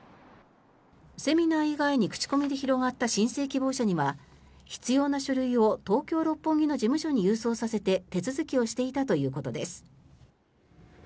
セミナー以外に口コミで広がった申請希望者には必要な書類を東京・六本木の事務所に郵送させて手続きをしていたということです。